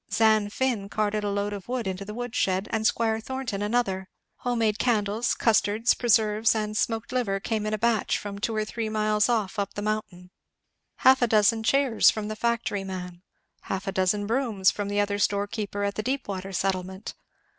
Zan Finn carted a load of wood into the wood shed, and Squire Thornton another. Home made candles, custards, preserves, and smoked liver, came in a batch from two or three miles off up on the mountain. Half a dozen chairs from the factory man. Half a dozen brooms from the other store keeper at the Deepwater settlement.